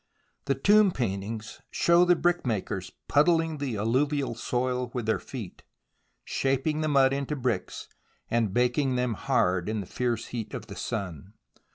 The tomb paintings show the brickmakers puddling the alluvial soil with their feet, shaping the mud into bricks, and baking them hard in the fierce heat of the sun.